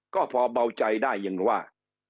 ก็พอเบาใจได้ยังว่า